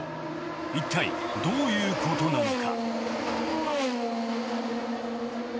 いったいどういうことなのか？